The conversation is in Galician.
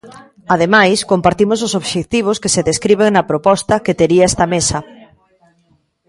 Ademais, compartimos os obxectivos que se describen na proposta que tería esta mesa.